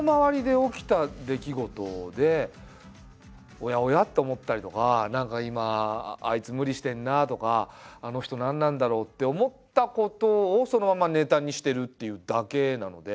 おやおや？と思ったりとか何か今あいつ無理してるなとかあの人何なんだろうって思ったことをそのままネタにしてるというだけなので。